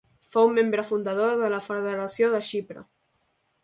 Fou membre fundador de la Federació de Xipre.